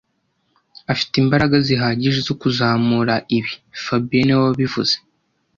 Afite imbaraga zihagije zo kuzamura ibi fabien niwe wabivuze